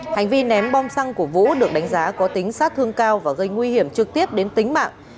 hành vi ném bom xăng của vũ được đánh giá có tính sát thương cao và gây nguy hiểm trực tiếp đến tính mạng